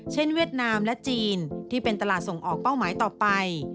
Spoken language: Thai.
เวียดนามและจีนที่เป็นตลาดส่งออกเป้าหมายต่อไป